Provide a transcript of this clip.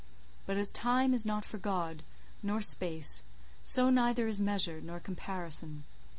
But as Time is not for God, nor Space, so neither is Measure, nor Comparison.